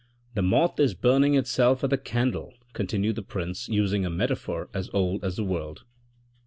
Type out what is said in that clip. ..."" The moth is burning itself at the candle," continued the prince using a metaphor as old as the world.